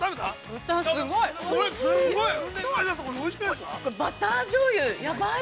◆豚すごい！